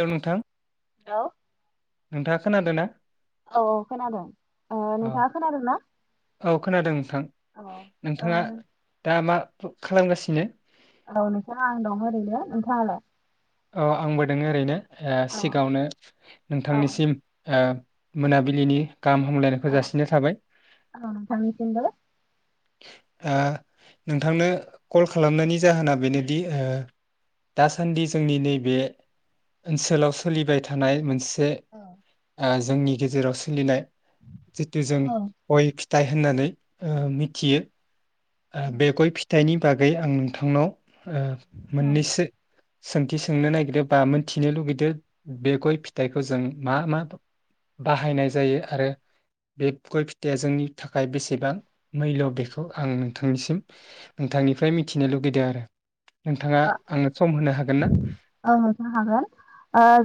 Hello नोंथां hello नोंथाङा खोनादो ना औऔ खोनादों ओ औ नोंथाङा खोनादोंना औ खोनादों नोंथां अह नोंथाङा ओ दा मा खालामगासिनो औ नोंथां आं दं ओरैनो नोंथाङालाय अ आंबो दोङो ओरैनो औ सिगाङावनो औ नोंथांनिसिम ओ मोनाबिलिनि गाहाम हामलायनायखौ औ जासिनाय थाबाय नोंथांनिसिमबो ओ नोंथांनो कल खालामनायनि जाहोना बेनोदि ओ दासान्दि जोंनि नैबे ओनसोलाव सोलिबाय थानाय मोनस से औ ओ जोंनि गेजेराव सोलिनाय। जितु जों औ बयबो। दाय होननानै ओ। फिसियो बे गय फिथाइनिफ्राय बागै आं नोंथांनाव ओ। औ मोननैसो सोंथि सोंनो नागिरो बा मोनथिनो लुबैदों बे गय फिथाइखौ जों मा-मा बाहायनाय जायो आरो बे गय फिथाइया जोंनि। थाखाय बेसेबां हेल' बेखौ आं नोंथांनिसिम नोंथांनिफ्राय मिथिनो लुगैदों आरो। नोंथाङा आंनो सम होनो हागोन ना? [unintelligible] औ नोंथां होनो हागोन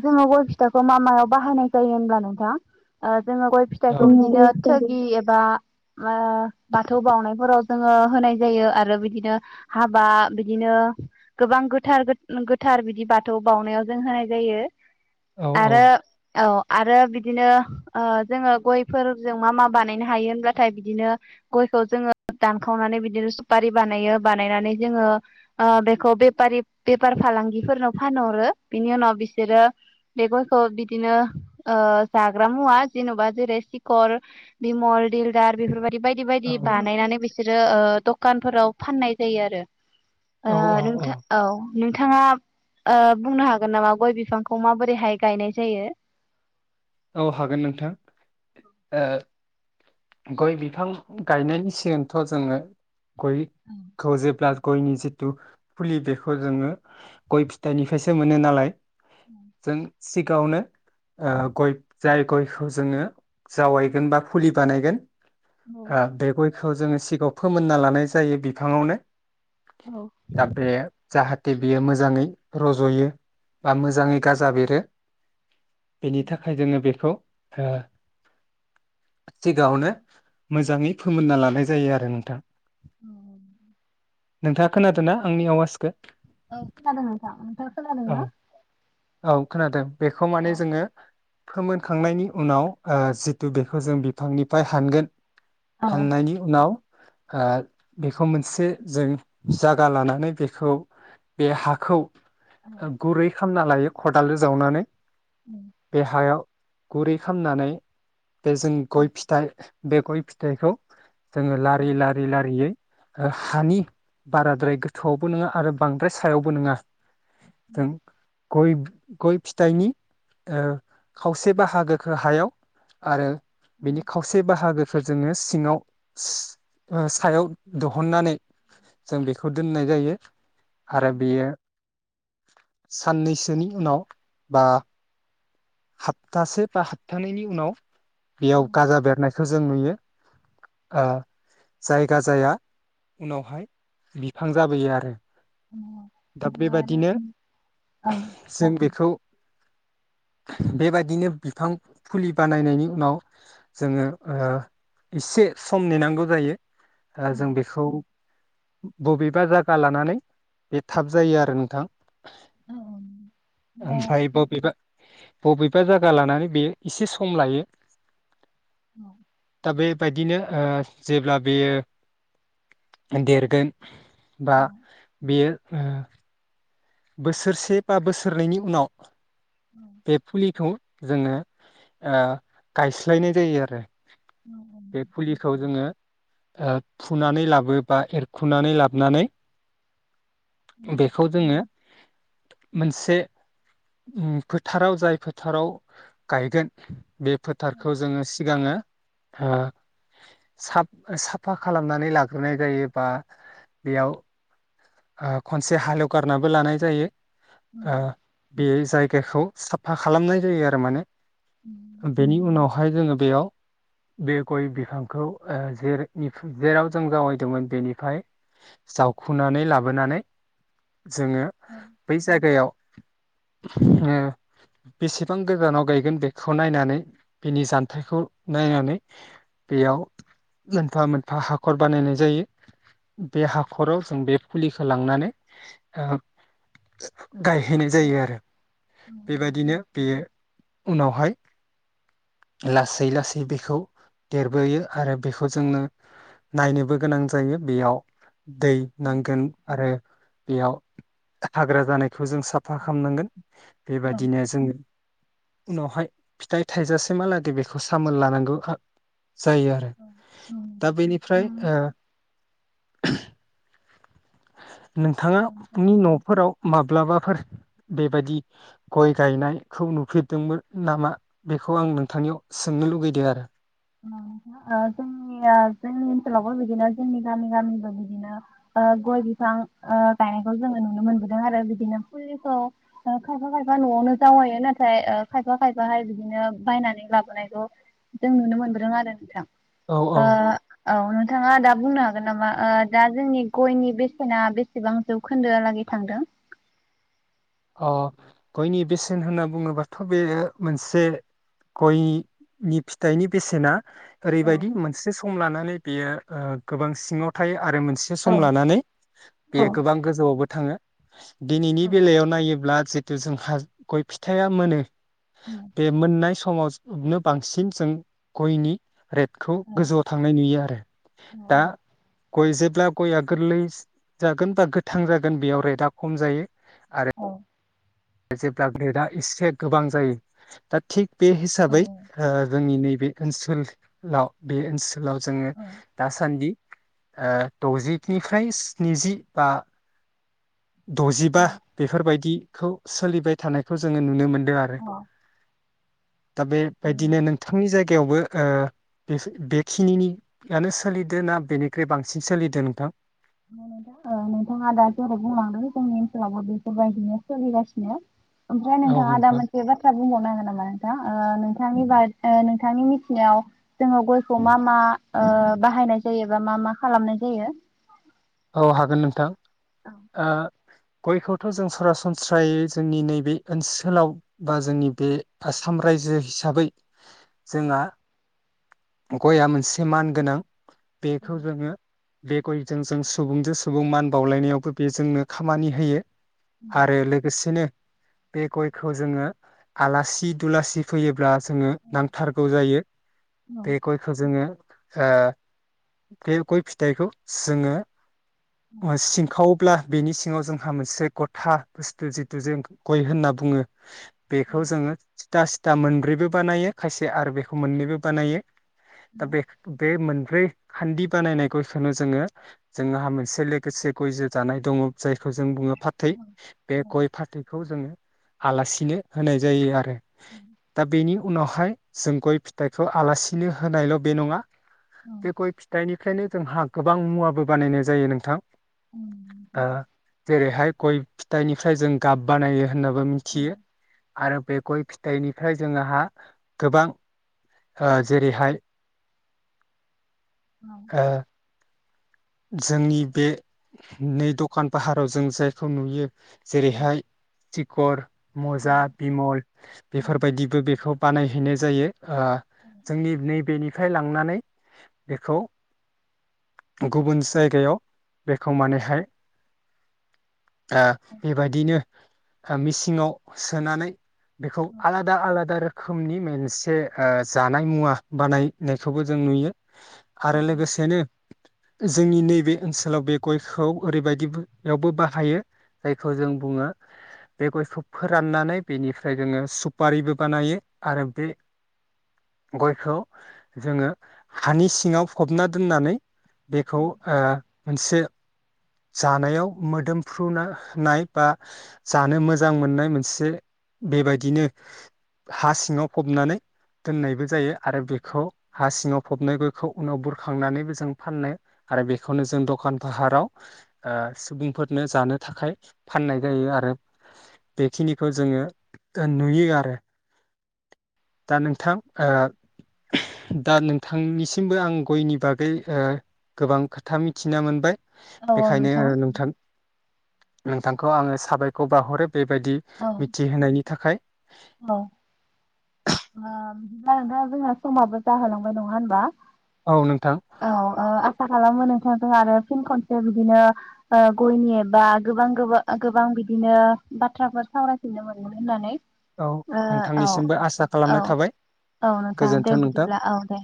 जोंनाव गय फिथ थाइखौ मा-मायाव बाहायनाय जायो होनब्ला नोंथां? जोङो गय औ फिथाइखौ बिदिनो थोगि एबा ओ बाथौ बावनायफोराव जोङो होनाय जायो आरो बिदिनो हाबा बिदिनो। गोबां गोथार-गोथार बिदि बाथौ बावउनायाव जों होनाय जायो। औ आरो औ। आरो बिदिनो ओ जोङो गयफोरजों मा-मा बानायनो हायो होनब्लााथाय बिदिनो गयखौ जोङो दानखावनानै बिदिनो सुपारि बानायो बानायनानै जोङो बे ओ बेफारि बेफार-फालांगिफोरनो फानहरो बिनि उनाव बिसोरो बे गयखौ बिदिनो ओ जाग्रा मुवा जेन'बा जेरै सिखर बिमल दिलदार बेफोरबायदि बायदि-बायदि बायदि औ बानायनानै बिसोरो ओ। दुखानफोराव फाननाय जायो आरो। [inaudible] आ नोंथां औ। नोंथाङा ओ बुंनो हागोन नामा गय बिफांखौ माबोरैहाय गायनाय जायो? औ हागोन नोंथां। गय बिफां गायनायनि सिगांथ' जोङो गय खौ जेब्ला जों गयनि जिथु फुलि बेखौ जोङो गय फिथाइनिफ्रायसो मोनो नालाय जों [inaudible] सिगाङावनो ओ गय। जाय गयखौ जोङो जावायगोन बा फुलि बानायगोन। औ हा बे गय बेखौ जोङो सिगाङाव फोमोनना लानाय जायो बिफाङावनो दाबे जाहाथे जे बियो मोजाङै रज'यो बा मोजाङै गाजा बेरो बेनि थाखाय जोङो बेखौ आ सिगाङावनो मोजाङै फोमोनना लानाय जायो आरो नोंथां। नोंथाङा खोनादोंना आंनि आवाजखौ? औ औ खोनादों बेखौ माने जोङो फोमोनखांनायनि उनाव ओ जिथु बेखौ जों बिफांनिफ्राय हानगोन हाननायनि उनाव ओ बेखौ मोनसे जों जागा लानानै बेखौ बे हाखौ गुरै खालामना लायो खदालजों जावनानै बे हायाव गुरै खालामनानै बे जों गय फिथाइ बे गय फिथाइखौ जोङो लारि लारि लारियै हानि बाराद्राय गोथौआवबो नङा आरो बांद्राय सायावबो नङा थां गय गय फिथाइनि ओ खावसे बाहागोखौ हायाव आरो बिनि खावसे बाहागो फोजोङो सिङाव सि ओ सायाव दहननानै जों बेखौ दोननाय जायो आरो बियो साननैसोनि उनाव बा हाप्तासे बा हाबथानैनि उनाव बेयाव गाजा बेरनायखौ जों नुयो आ जायगा जाया उनावहाय बिफां जाबोयो आरो दा बेबादिनो जों बेखौ बेबायदिनो बिफां फुलि बानायनायनि उनाव जोङो ओ इसे सम नेनांगौ जायो। आ जों बेखौ बबेबा जायगा लानानै बे थाब जायो आरो नोंथां। ओमफ्राय बबेबा बबेबा जायगा लानानै बेयो इसे सम लायो [inaudible] बायदिनो ओ जेब्ला बेयो देरगोन। बा बेयो ओ बोसोरसे बा बोसोरनैनि उनाव बे फुलिखौ जोङो ओ गायस्लायनाय जायो आरो बे फुलिखौ जोङो ओ फुनानै लाबो बा एरखुनानै लाबनानै बेखौ जोङो मोनसे उम फोथाराव जाय फोथाराव गायगोन बे फोथारखौ जोङो सिगाङो हा साफ-साफा खालामनानै लाग्रोनाय जायोबा बेयाव हा खनसे हालेवगारनाबो लानाय जायो। ओ बे जायगाखौ साफा खालामनाय जायो आरो माने बेनि उनाव बेहाय जोङो बेयाव बे गय बिफांखौ ओ जेरै जेराव जों जावायदोंमोन बेनिफ्राय जावखुनानै लाबो बोनानै जोङो बै जायगायाव उम बेसेबां गोजानाव गायगोन बेखौ नायनानै बेनि जानथायखौ नायनानै बेयाव मोनफा मोनफा हाखर बानायनाय जायो बे हाखराव जों बे फुलिखौ लांनानै ओ गायहैनाय जायो आरो बेबायदिनो बेयो उनावहाय लासै लासै बेखौ देरबोयो आरो बेखौ जोङो नायनोबो गोनां जायो बेयाव दै नां आरो बेयाव हाग्रा जानाय बेखौ जों साफा खामनांगोन बेबायदिनो जोङो उनावहाय फिथाइ थाइजासेमालादै बेखौ सामोल लानांगौ खा जायो आरो दा बेनिफ्राय ओ [unintelligible] नोंथाङानि न'फोराव माब्लाबाफोर बेबायदि गय गायनायखौ नुफेरदोंमोन नामा बेखौ आं नोंथांनियाव सोंनो लुगैदो आरो [unintelligible] ओ जोंनिया जोंनि ओनसोलावबो बिदिनो जोंनि गामि गामिबो बिदिनो ओ गय बिफां ओ गायनायखौ जोङो नुनो मोनबोदों आरो बिदिनो फुलिखौ ओ खायफा खायफा न'आवनो जावायो नाथाय ओ खायफा खायफाहाय बिदिनो बायनानै लाबोनायखौ जों नुनो मोन [unintelligible] आरो नोंथां ओ औ नोंथाङा दा बुंनो हागोन नामा ओ दा जोंनि गयनि बेसेना बेसेबां जौखोन्दो आलागै थांदों? अ गयनि बेसेन होनना बुङोबाथ' बे मोनसे गयनि फिथाइनि बेसेना। ओरैबायदि मोनसे सम लानानै बेयो ओ गोबां सिङावथायो। आरो मोनसे सम लानानै औ बेयो गोबां गोजौआवबो थाङो दिनैनि बेलायावनो ब्ला जितु जोंहा गय फिथाइा मोनो बे मोननाय सम समाव जनो बांसिन जों गयनि रेटखौ गोजौआव थांनाय नुयो आरो दा गय जे ब्ला गया गोरलै जागोन बा गोथां जागोन बेयाव रेटआ खम जायो आरो। जेब्ला ग्रेटआ एसे गोबां जायो दा थिग बे हिसाबै ओ जोंनि नैे बे ओनसोलाव बे ओनसोल लाव जोङो दासान्दि ओ द'जिनिफ्राय स्निजि बा दजिबा बेफोरबायदि खौ सोलिबाय थानायखौ जोङो नुनो मोनदों दो आरो दा बेबायदिनो नोंथांनि जाय गेवबो ओ बेखिनियानो सोलिदों ना बेनिख्रुइ बांसिन सोलिदों नोंथां? नोंथां नोंथाङा दा जेरै बुंलांदों जोंनि ओनसोलावबो बेफोरबायदिनो सोलिगासिनो ओमफ्राय औ नोंथाङा आदा नोंथां मोनसे बाथ्रा बुंबावनो हागोन नामा नोंथां जा ओ [unintelligible] नोंथांनि मिथिनायाव जोङो गयखौ मा मा ओ बाहायनाय जायो एबा मा मा खालामनाय जायो? औ हागोन नोंथां ओ। गयखौथ' जों सरासनस्रायै जोंनि नैबे ओनसोलाव बा जोंनि बे आसाम रायजो हिसाबै जोंहा गया मोनसे मान गोनां। बेखौ जोङो बे गयजों जों सुबुंजो सुबुं मान बावलायनायावबो बे जोंनो खामानि होयो। आरो लोगोसेनो बे गयखौ जोङो आलासि दुलासि फैयोब्ला जोङो नांथारगौ जायो। बे गयखौ जोङो ओ बे गय फिथाइखौ जोङो ओ सिंखाव अब्ला बेनि सिङाव जोंहा मोनसे गथा बुस्थु जिथु जों गय होनना बुङो। बेखौ जोङो स्था स्था मोनब्रैबो बानायो खायसे आरो बेखौ मोननैबो बानायो। दा बेख बे मोन ब्रै खान्दि बानायनाय गयखोनो जोङो जोंहा मोनसे लोगोसे गयजो जानाय दङो जायखौ जों बुङो फाथै। बे गय फाथैखौ जोङो आलासिनो होनाय जायो आरो दा बेनि उनावहाय जों गय फिथाइखौ आलासिनो होनायल' बे नङा बे गय फिथाइनि फ्रायनो जोंहा गोबां मुवाबो बानायनाय जायो नोंथां। ओ जेरैहाय गय फिथाइनिफ्राय जों गाब बानायो होननाबो मिथियो आरो बे गय फिथाइनिफ्राय जोंहा गोबां ओ जेरैहाय हो जोंनि बे नै दखान फाहाराव जों जायखौ नुयो जेरैहाय थिखर मजा बिमल बेफोर बायदिबो बेखौ बानाय बिनाय जायो। आं जोंनि नैबेनि फ्राय लांनानै बेखौ गुबुन जायगायाव बेखौ मानेहाय आ बेबायदिनो मिसिङाव सोनानै बेखौ आलादा आलादा रोखो रोखोमनि मोनसे ओ जानाय मुवा बानायनायखौबो जों नुयो आरो लोगोसेनो जोंनि नैबे ओनसोलाव बे गयखौ ओरैबायदियावबो बाहायो जायखौ जों बुङो बे गयखौ फोराननानै बेनिफ्राय जोङो सफारिबो बानायो आरो बे गयखौ जोङो हानि सिङाव फबना दोननानै बेखौ ओ मोनसे जानायाव मोदोमफ्रुनाय बा जानो मोजां मोननाय मोनसे बेबायदिनो हा सिङाव फबनानै दोननायबो जायो आरो बेखौ हा सिङाव फबनायखौ उनाव बुरखांनानैबो जों फाननाय आरो बेखौनो जों दखान फाहाराव सुबुंफोरनो जानो थाखाय फाननाय जायो आरो बेखिनिखौ जोङो नुयो आरो दा नोंथां दा नोंथांनिसिमबो आं गयनि बागै गोबां खोथा मिथिना मोनबाय। बेखायनो नोंथां नोंथांखौ आङो साबायखर बावहरो। बेबायदि मिथिहोनायनि थाखाय। औ। ओ बिदिब्ला नोंथां जोंना समाबो जाहोलांबाय नङा होमबा औ नोंथां। आसा खालामो नोंथांजों आरो फिन खनसे बिदिनो ओ गयनि एबा गोबां गोबा गोबां बिदिनो बाथ्राफोर सावरायफिननो मोनगोन होननानै। औ ओ औ नोंथांनिसिमबो आसा औ खालामनाय थाबाय औ नोंथां दे गोजोन्थों नोंथां बिदिब्ला औ दे।